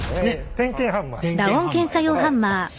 点検ハンマーですね。